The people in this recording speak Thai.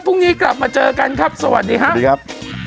พรุ่งนี้กลับมาเจอกันครับสวัสดีครับสวัสดีครับ